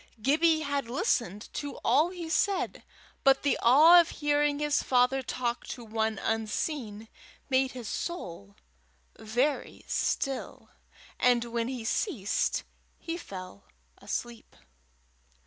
Gibbie had listened to all he said, but the awe of hearing his father talk to one unseen, made his soul very still, and when he ceased he fell asleep.